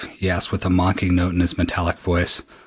he asked with a mocking note in his metallic voice.